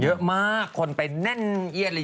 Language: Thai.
เยอะมากคนไปแน่นเอียดเลย